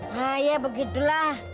nah ya begitulah